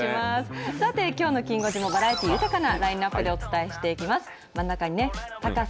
きょうのきん５時もバラエティー豊かなラインアップでお伝えしていきます。